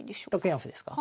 ６四歩ですか？